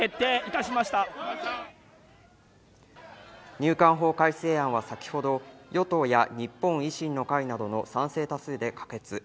入管法改正案は先ほど与党や日本維新の会などの賛成多数で可決。